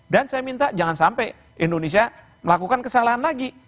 dan saya minta jangan sampai indonesia melakukan kesalahan lagi